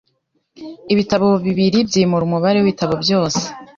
ibitabo bibiri byimura umubare wibitabo byose